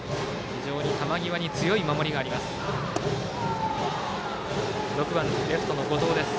非常に球際に強い守りがあります。